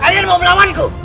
kalian mau melawanku